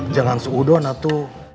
jangan seudon atau